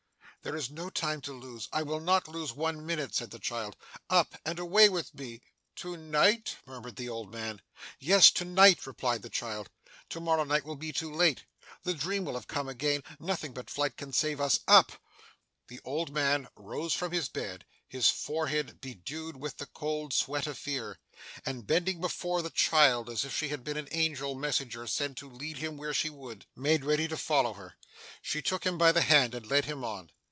'There is no time to lose; I will not lose one minute,' said the child. 'Up! and away with me!' 'To night?' murmured the old man. 'Yes, to night,' replied the child. 'To morrow night will be too late. The dream will have come again. Nothing but flight can save us. Up!' The old man rose from his bed: his forehead bedewed with the cold sweat of fear: and, bending before the child as if she had been an angel messenger sent to lead him where she would, made ready to follow her. She took him by the hand and led him on.